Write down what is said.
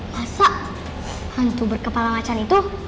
masak hantu berkepala macan itu